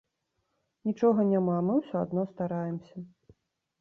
Нічога няма, а мы ўсё адно стараемся.